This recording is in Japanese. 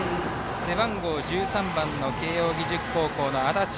背番号１３番の慶応義塾高校の安達。